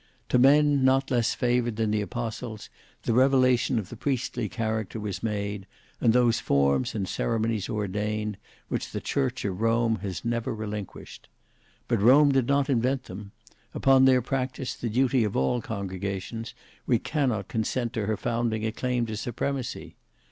To men not less favoured than the apostles, the revelation of the priestly character was made, and those forms and ceremonies ordained, which the church of Rome has never relinquished. But Rome did not invent them: upon their practice, the duty of all congregations, we cannot consent to her founding a claim to supremacy.